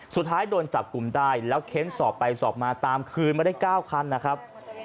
สุดท้ายโดนจับกลุ่มได้แล้วเค้นสอบไปสอบมาตามคืนมาได้๙คันนะครับ